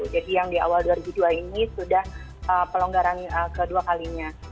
jadi yang di awal dua ribu dua ini sudah pelonggaran kedua kalinya